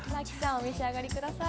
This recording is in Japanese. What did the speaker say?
お召し上がりください。